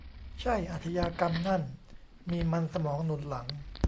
ใช่ อาชญากรรมนั่นมีมันสมองหนุนหลัง